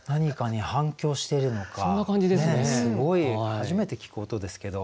初めて聞く音ですけど。